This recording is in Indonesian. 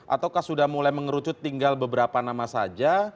ataukah sudah mulai mengerucut tinggal beberapa nama saja